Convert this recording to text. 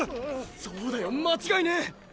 そうだよ間違いねぇ。